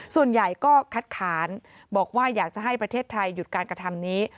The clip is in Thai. ส่วนใหญ่ก็คัดค้านบอกว่าอยากจะให้ประเทศไทยหยุดการกระทำนี้